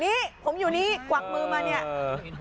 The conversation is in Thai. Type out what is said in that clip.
นี่ผมอยู่นี่กวักมือมาเนี่ย